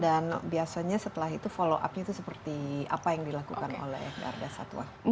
dan biasanya setelah itu follow up nya itu seperti apa yang dilakukan oleh gardas satwa